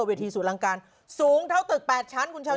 เวียดที่สูตรลังการสูงเท่าตึก๘ชั้นคุณเช้า